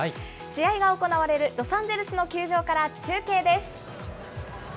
試合が行われるロサンゼルスの球場から中継です。